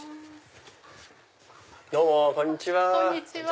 どうもこんにちは。